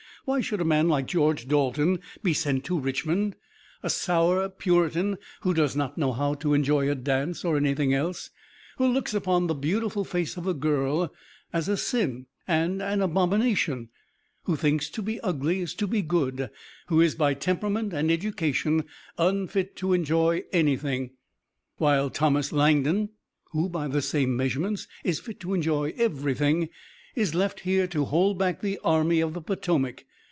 Why should a man like George Dalton be sent to Richmond? A sour Puritan who does not know how to enjoy a dance or anything else, who looks upon the beautiful face of a girl as a sin and an abomination, who thinks to be ugly is to be good, who is by temperament and education unfit to enjoy anything, while Thomas Langdon, who by the same measurements is fit to enjoy everything, is left here to hold back the Army of the Potomac.